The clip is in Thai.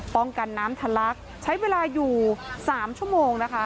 ป้องกันน้ำทะลักใช้เวลาอยู่๓ชั่วโมงนะคะ